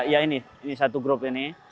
ya ini satu grup ini